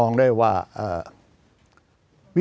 จะพิจารณาคม